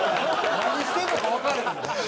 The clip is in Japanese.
何してるのかわからへん。